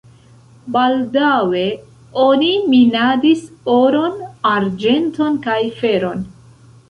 Baldaŭe oni minadis oron, arĝenton kaj feron.